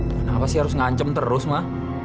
kenapa sih harus ngancem terus mah